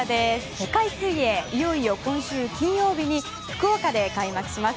世界水泳、いよいよ今週金曜日に福岡で開幕します。